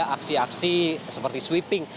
aksi aksi seperti sweeping